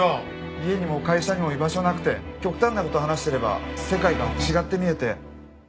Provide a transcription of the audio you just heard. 家にも会社にも居場所なくて極端な事を話してれば世界が違って見えて。